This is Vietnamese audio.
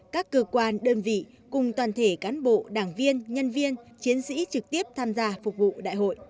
các cơ quan đơn vị cùng toàn thể cán bộ đảng viên nhân viên chiến sĩ trực tiếp tham gia phục vụ đại hội